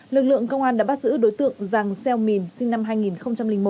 lực lượng công an đã bắt giữ đối tượng giàng xeo mìn sinh năm hai nghìn một